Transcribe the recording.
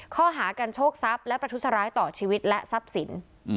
ข้อหากันโชภซับและประทุษล้ายต่อชีวิตและซับศีล